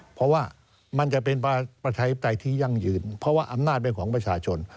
เพราะว่ามันจะเป็นประชาธิปไตยที่ยั่งยืนเพราะว่าอำนาจเป็นของประชาชน